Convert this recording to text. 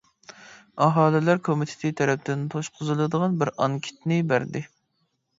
ئاھالىلەر كومىتېتى تەرەپتىن توشقۇزۇلىدىغان بىر ئانكىتنى بەردى.